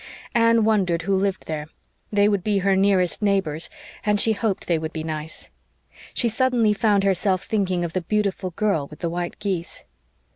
Anne wondered who lived there; they would be her nearest neighbors and she hoped they would be nice. She suddenly found herself thinking of the beautiful girl with the white geese.